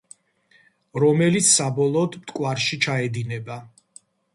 რომელიც საბოლოოდ მტკვარში ჩაედინება.